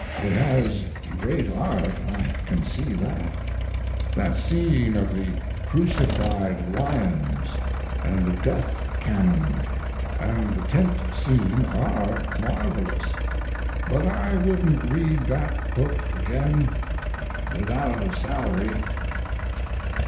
It has great art I can see that. That scene of the crucified lions and the death canon and the tent scene are marvelous, but I wouldn't read that book again without a salary."